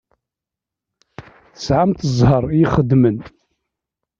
Tesεamt ẓẓher i ixeddmen.